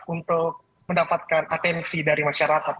untuk mendapatkan atensi dari masyarakat